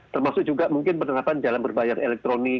termasuk juga mungkin penerapan jalan berbayar elektronik